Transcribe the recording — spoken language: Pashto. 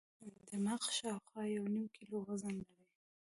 دماغ شاوخوا یو نیم کیلو وزن لري.